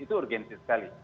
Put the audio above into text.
itu urgensi sekali